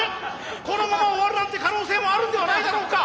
このまま終わるなんて可能性もあるんではないだろうか。